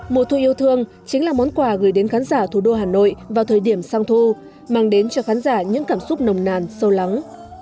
mùa thu yêu thương chính là món quà gửi đến khán giả thủ đô hà nội vào thời điểm sang thu mang đến cho khán giả những cảm xúc nồng nàn sâu lắng